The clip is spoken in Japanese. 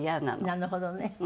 なるほどね。